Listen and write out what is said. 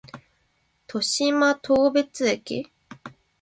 渡島当別駅